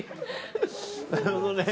なるほどね。